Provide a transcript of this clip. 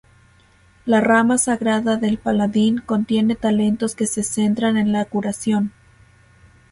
La rama Sagrada del Paladín contienen talentos que se centran en la curación.